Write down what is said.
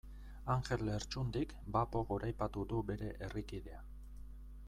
Anjel Lertxundik bapo goraipatu du bere herrikidea.